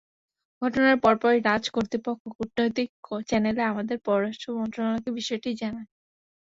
ঘটনার পরপরই ডাচ কর্তৃপক্ষ কূটনৈতিক চ্যানেলে আমাদের পররাষ্ট্র মন্ত্রণালয়কে বিষয়টি জানায়।